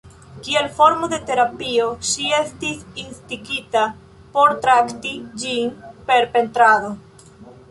Kiel formo de terapio, ŝi estis instigita por trakti ĝin per pentrado.